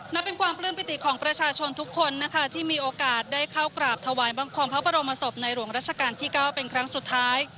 นับเป็นความปลื้มปิติของประชาชนทุกคนนะคะที่มีโอกาสได้เข้ากราบถวายบังคมพระบรมศพในหลวงราชการที่๙เป็นครั้งสุดท้าย